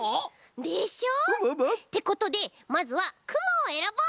でしょ！ってことでまずはくもをえらぼう！